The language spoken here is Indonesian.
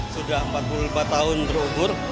sudah empat puluh empat tahun berubur